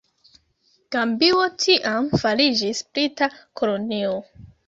Gambio tiam fariĝis brita kolonio.